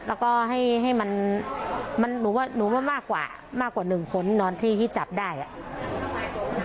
แล้วก็ให้มันหนูว่ามันมากกว่าหนึ่งคนนอนที่จับได้อ่ะ